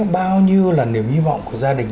bao nhiêu là niềm hy vọng của gia đình